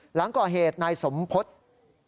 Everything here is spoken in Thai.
หลังก่อเหตุนายสมพฤษ